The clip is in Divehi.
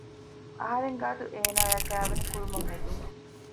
އަހަރެންގާތު އޭނާއާ ކައިވެނި ކުރުމަށް އެދުން